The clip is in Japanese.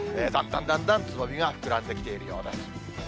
だんだんだんだん、つぼみが膨らんできているようです。